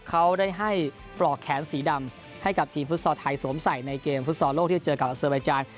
เขาได้ให้ปลอกแขนสีดำให้กับทีมฟุตซอลไทยสวมใส่ในเกมฟุตซอลโลกที่จะเจอกับอัเซอร์ไบจาน